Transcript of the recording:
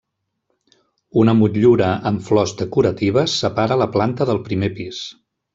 Una motllura amb flors decoratives separa la planta del primer pis.